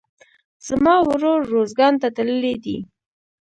زما ورور روزګان ته تللى دئ.